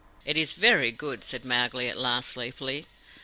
"It is VERY good," said Mowgli at last, sleepily.